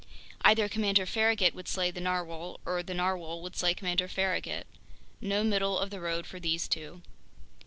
Either Commander Farragut would slay the narwhale, or the narwhale would slay Commander Farragut. No middle of the road for these two.